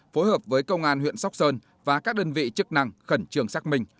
phối hợp với công an huyện sóc sơn và các đơn vị chức năng khẩn trương xác minh